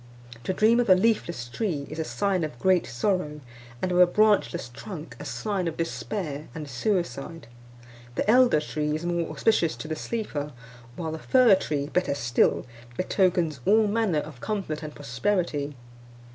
To dream of a leafless tree, is a sign of great sorrow; and of a branchless trunk, a sign of despair and suicide. The elder tree is more auspicious to the sleeper; while the fir tree, better still, betokens all manner of comfort and prosperity.